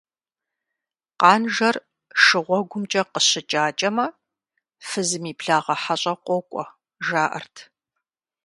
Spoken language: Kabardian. Къанжэр шыгъуэгумкӀэ къыщыкӀакӀэмэ, фызым и благъэ хьэщӀэ къокӀуэ, жаӀэрт.